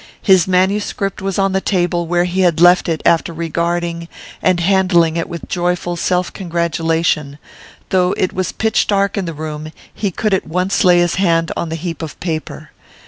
His manuscript was on the table, where he had left it after regarding and handling it with joyful self congratulation; though it was pitch dark in the room, he could at once lay his hand on the heap of paper.